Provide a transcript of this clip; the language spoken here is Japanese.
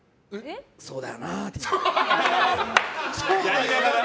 そうだよなあって。